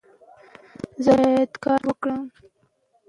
د خندا مختلف ډولونه زموږ ژوند رنګینوي.